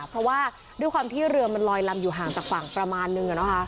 เพราะว่าด้วยความที่เรือมันลอยลำอยู่ห่างจากฝั่งประมาณนึง